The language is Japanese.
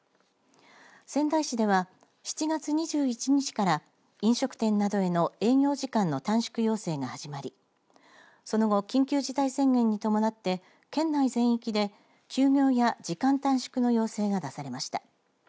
仙台市では、７月２１日から飲食店などへの営業時間の短縮要請が始まりその後、緊急事態宣言に伴って県内全域で休業や時間短縮の要請が出されました。